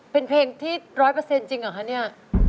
เป็นเพลงที่๑๐๐จริงเหรอคะเนี่ย